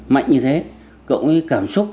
mạnh như thế cộng với cái cảm xúc